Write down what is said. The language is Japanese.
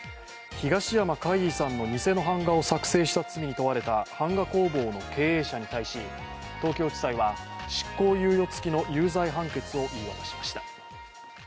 東山魁夷さんの偽の版画を作成した罪に問われた版画工房の経営者に対し東京地裁は執行猶予付きの有罪判決を言い渡しました。